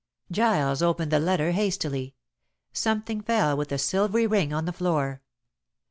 Giles opened the letter hastily. Something fell with a silvery ring on the floor.